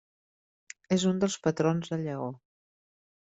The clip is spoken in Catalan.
És un dels patrons de Lleó.